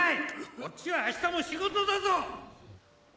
こっちは明日も仕事だぞ！